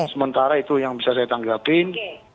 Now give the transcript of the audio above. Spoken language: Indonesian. sementara itu yang bisa saya tanggapin